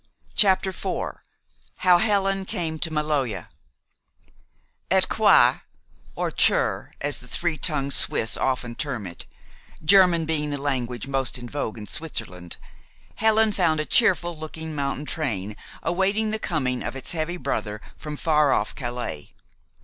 CHAPTER IV HOW HELEN CAME TO MALOJA At Coire, or Chur, as the three tongued Swiss often term it German being the language most in vogue in Switzerland Helen found a cheerful looking mountain train awaiting the coming of its heavy brother from far off Calais.